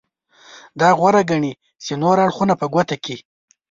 دا غوره ګڼي چې نور اړخونه په ګوته کړي.